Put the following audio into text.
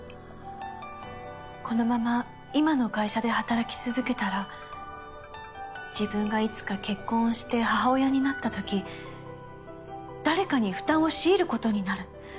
このまま今の会社で働き続けたら自分がいつか結婚をして母親になったとき誰かに負担を強いることになる。